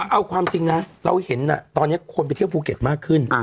เอาความจริงนะเราเห็นตอนนี้คนไปเที่ยวภูเก็ตมากขึ้น